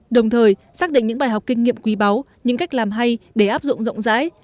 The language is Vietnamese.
đồng thời xác định những bài học kinh nghiệm quý báu những cách làm hay để áp dụng rộng rãi